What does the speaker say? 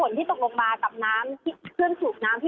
วันนี้ฝนตกหนักมากค่ะประมาณช่วงบาทประมาณสัก๔๐๕๐นาที